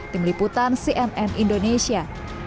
tim liputan cnn indonesia